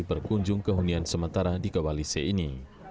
berkunjung ke hunian sementara di kewalisi ini